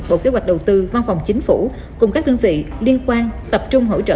bộ kế hoạch đầu tư văn phòng chính phủ cùng các đơn vị liên quan tập trung hỗ trợ